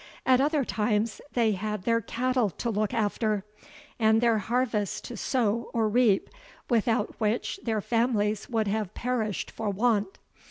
At other times they had their cattle to look after, and their harvests to sow or reap, without which their families would have perished for want.